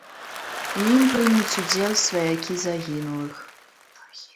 У ім прымуць удзел сваякі загінулых.